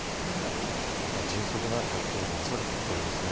迅速な１１０番ですね。